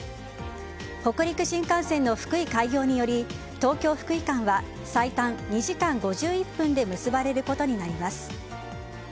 北陸新幹線の福井開業により東京福井間は最短２時間５１分で結ばれることになります。